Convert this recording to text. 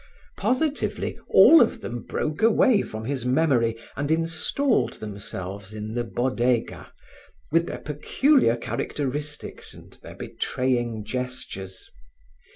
Positively, all of them broke away from his memory and installed themselves in the Bodega, with their peculiar characteristics and their betraying gestures.